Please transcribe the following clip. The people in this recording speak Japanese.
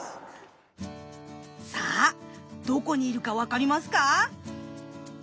さあどこにいるか分かりますか。